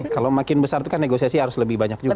kalau makin besar itu kan negosiasi harus lebih banyak juga